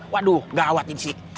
waduh gawat ini sih